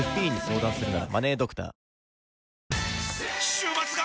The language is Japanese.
週末が！！